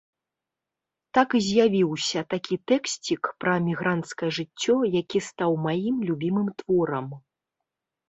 Так і з'явіўся такі тэксцік пра мігранцкае жыццё, які стаў маім любімым творам.